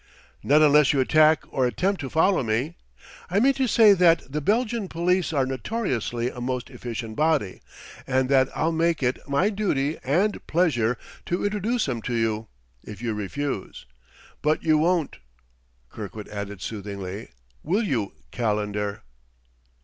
"Not unless you attack or attempt to follow me. I mean to say that the Belgian police are notoriously a most efficient body, and that I'll make it my duty and pleasure to introduce 'em to you, if you refuse. But you won't," Kirkwood added soothingly, "will you, Calendar?"